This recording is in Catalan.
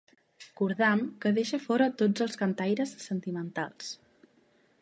Cordam que deixa fora tots els cantaires sentimentals.